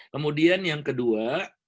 kemudian yang kedua